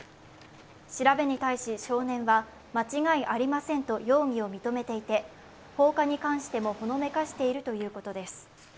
調べに対し少年は間違いありませんと容疑を認めていて、放火に関してもほのめかしているということです。